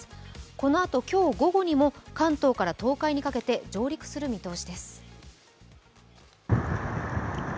このあと今日午後にも関東から東海にかけて上陸する見通しです。